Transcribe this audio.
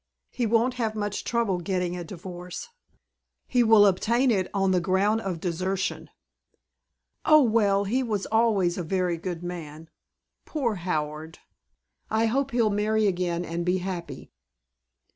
He won't have much trouble getting a divorce!" "He will obtain it on the ground of desertion." "Oh! Well, he was always a very good man. Poor Howard! I hope he'll marry again and be happy."